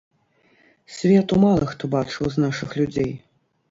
Свету мала хто бачыў з нашых людзей.